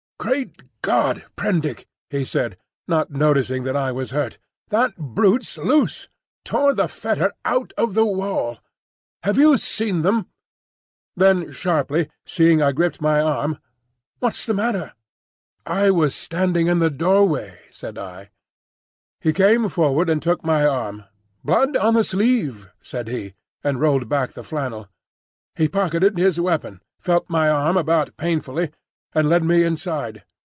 "Great God, Prendick!" he said, not noticing that I was hurt, "that brute's loose! Tore the fetter out of the wall! Have you seen them?" Then sharply, seeing I gripped my arm, "What's the matter?" "I was standing in the doorway," said I. He came forward and took my arm. "Blood on the sleeve," said he, and rolled back the flannel. He pocketed his weapon, felt my arm about painfully, and led me inside.